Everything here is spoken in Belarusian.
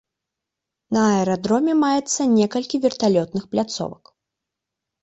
На аэрадроме маецца некалькі верталётных пляцовак.